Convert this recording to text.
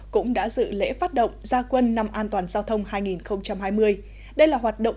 cũng đã dự lễ phát động gia quân năm an toàn giao thông hai nghìn hai mươi